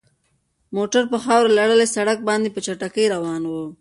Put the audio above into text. موټر په خاورو لړلي سړک باندې په چټکۍ روان و.